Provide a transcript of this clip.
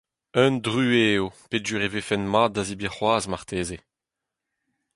Un druez eo peogwir e vefent mat da zebriñ c’hoazh marteze.